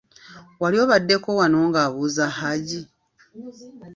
Wali obaddeko wano ng'abuuza Hajji?